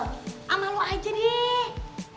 sama lo aja deh